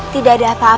tidak ada apa apa nyai